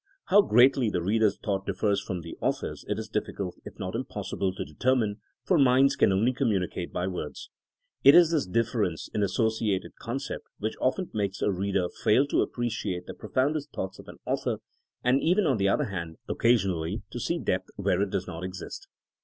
How greatly the reader's thought differs from the au thor's it is difficult if not impossible to deter mine, for minds can only communicate by words. It is this difference in associated concept which often makes a reader fail to appreciate the pro f oundest thoughts of an author, and even, on the other hand, occasionally to see depth where it does not exist.